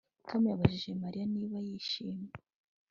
Tom yabajije Mariya niba yishimye